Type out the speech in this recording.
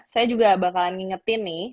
saya juga akan mengingatkan nih